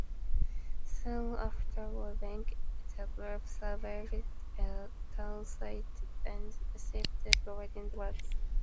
Soon after arriving, the group surveyed a townsite and assigned building lots.